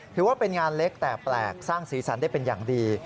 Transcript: ถือว่าเป็นงานเล็กแต่แปลกสร้างสีสันได้เป็นอย่างดี